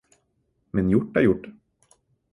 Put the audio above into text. Men gjort er gjort.